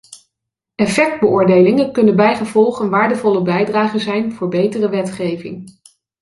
Effectbeoordelingen kunnen bijgevolg een waardevolle bijdrage zijn voor betere wetgeving.